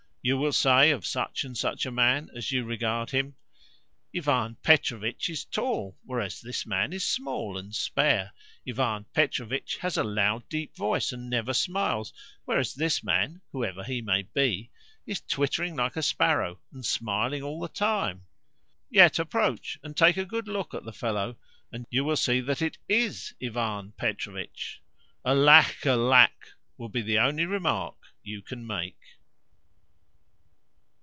you will say of such and such a man as you regard him. "Ivan Petrovitch is tall, whereas this man is small and spare. Ivan Petrovitch has a loud, deep voice, and never smiles, whereas this man (whoever he may be) is twittering like a sparrow, and smiling all the time." Yet approach and take a good look at the fellow and you will see that is IS Ivan Petrovitch. "Alack, alack!" will be the only remark you can make.